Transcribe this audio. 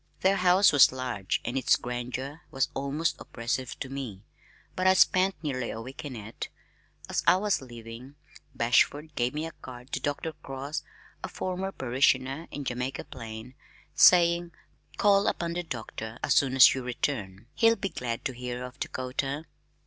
Their house was large and its grandeur was almost oppressive to me, but I spent nearly a week in it. As I was leaving, Bashford gave me a card to Dr. Cross, a former parishioner in Jamaica Plain, saying, "Call upon the Doctor as soon as you return. He'll be glad to hear of Dakota."